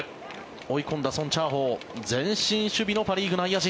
追い込んだソン・チャーホウ前進守備のパ・リーグ内野陣。